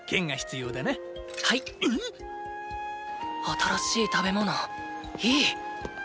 新しい食べ物いい！